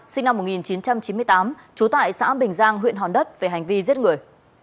sinh năm một nghìn chín trăm chín mươi tám trú tại xã bình giang huyện hòn đất về hành vi giết người